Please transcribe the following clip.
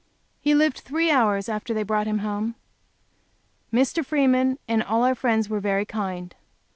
He lived three hours after they brought him home. Mr. Freeman and all our friends were very kind.